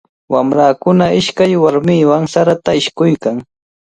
Wamrakuna ishkay warmiwan sarata ishkuykan.